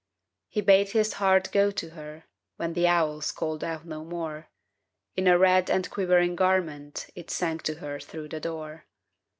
32 He bade his heart go to her, When the owls called out no more; In a red and quivering garment It sang to her through the door.